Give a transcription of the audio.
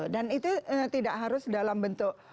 dan itu tidak harus dalam bentuk